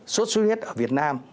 sốt huyết ở việt nam